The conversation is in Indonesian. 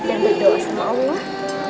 dan berdoa sama allah